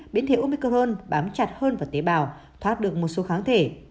biến thể omicron bám chặt hơn và tế bào thoát được một số kháng thể